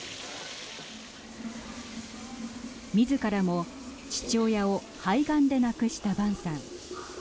みずからも父親を肺がんで亡くした万さん。